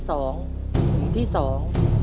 ถุงที่๒จะเอาที